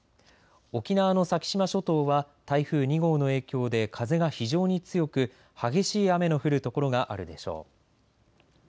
沖縄の先島諸島は台風２号の影響で風が非常に強く激しい雨の降る所があるでしょう。